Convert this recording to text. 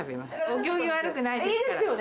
お行儀悪くないですから。